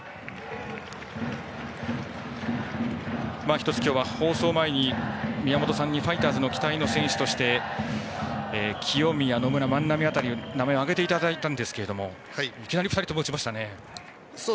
１つ、今日は放送前に宮本さんにファイターズの期待の選手として清宮、野村、万波辺りの名前を挙げていただいたんですがいきなり２人とも打ちましたね。